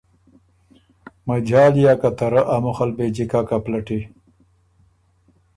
مجال یا که ته رۀ ا مُخ ال بې جیککه پلټی“